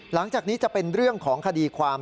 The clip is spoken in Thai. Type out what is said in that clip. หลังจากนี้จะเป็นเรื่องของคดีความ